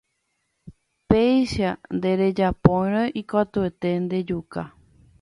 Péicha nderejapóirõ ikatuete ndejuka